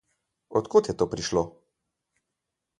Od kod je to prišlo?